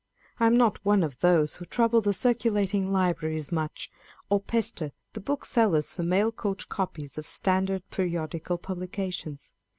I am not one of those who trouble the circulating libraries much, or pester the booksellers for mail coach copies of standard periodical publications.